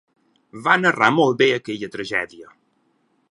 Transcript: Va narrar molt bé aquella tragèdia.